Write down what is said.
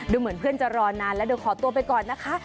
เหมือนเพื่อนจะรอนานแล้วเดี๋ยวขอตัวไปก่อนนะคะ